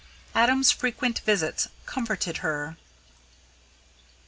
Adam's frequent visits comforted her.